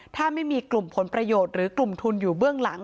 ถ้าไม่มีกลุ่มผลประโยชน์หรือกลุ่มทุนอยู่เบื้องหลัง